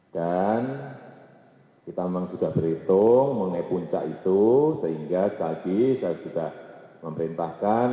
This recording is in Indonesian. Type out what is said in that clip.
dan kita memang sudah berhitung mengenai puncak itu sehingga sekali lagi saya sudah memerintahkan